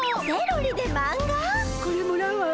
これもらうわ。